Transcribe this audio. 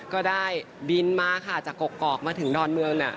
ก็ได้บินมาค่ะจากกกอกมาถึงดอนเมือง